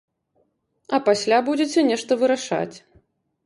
А пасля будзеце нешта вырашаць!